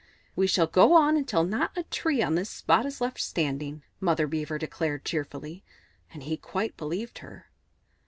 "We shall go on until not a tree on this spot is left standing," Mother Beaver declared, cheerfully; and he quite believed her.